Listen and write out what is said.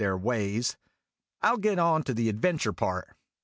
their ways, I '11 get on to the adventure part.